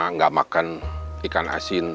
nggak makan ikan asin